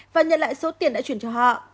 và nhận lại số tiền đã chuyển cho họ